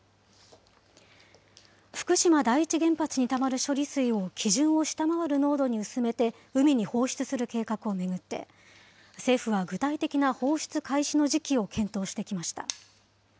福島第一原発にたまる処理水を基準を下回る濃度に薄めて海に放出する計画を巡って、政府は具体的な放出開始の時期を検討してきました。